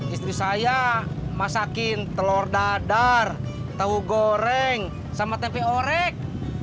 istri saya masakin telur dadar tahu goreng sama tempe orek